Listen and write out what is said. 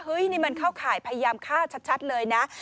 นี่มันเข้าข่ายพยายามฆ่าชัดเลยนะ